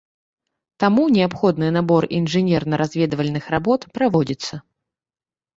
Таму неабходны набор інжынерна-разведвальных работ праводзіцца.